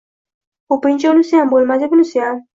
Ko‘pincha unisiyam bo‘lmaydi, bunisiyam.